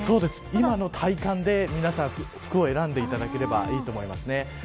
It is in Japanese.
今の体感で皆さん服を選んでいただければいいと思います。